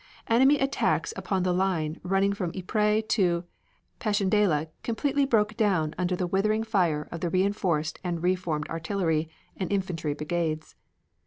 Enemy attacks upon the line running from Ypres to Passchendaele completely broke down under the withering fire of the reinforced and reformed artillery and infantry brigades.